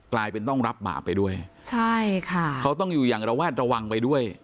กลายเป็นต้องรับบาปไปด้วยใช่ค่ะเขาต้องอยู่อย่างระแวดระวังไปด้วย